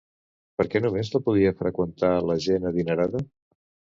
Per què només la podia freqüentar la gent adinerada?